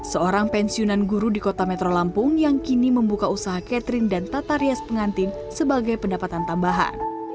seorang pensiunan guru di kota metro lampung yang kini membuka usaha catherine dan tata rias pengantin sebagai pendapatan tambahan